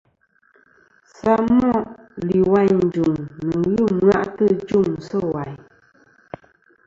Samoʼ lìwàyn î jùŋ nɨ̀ ghɨ ɨmwaʼtɨ ɨ jûŋ sɨ̂ wàyn.